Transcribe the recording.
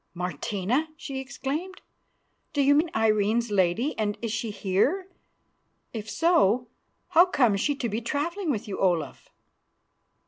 "Martina!" she exclaimed. "Do you mean Irene's lady, and is she here? If so, how comes she to be travelling with you, Olaf?"